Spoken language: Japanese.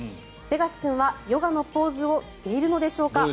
ベガス君はヨガのポーズをしているのでしょうか。